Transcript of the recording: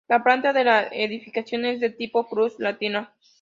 La planta de la edificación es de tipo cruz latina.